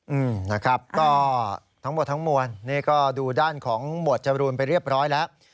อืมนะครับก็ทั้งหมดทั้งมวลนี่ก็ดูด้านของหมวดจรูนไปเรียบร้อยแล้ว